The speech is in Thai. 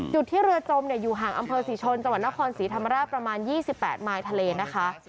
จุดที่เรือจมอยู่ห่างอำเภอศรีชนจังหวัดนครศรีธรรมราชประมาณ๒๘มายทะเลนะคะ